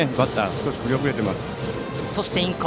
少し振り遅れていますね。